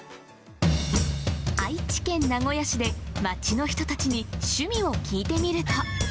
愛知県名古屋市で、街の人たちに趣味を聞いてみると。